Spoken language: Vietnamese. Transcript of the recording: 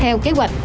theo kế hoạch